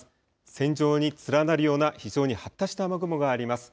線状に連なるような非常に発達した雨雲があります。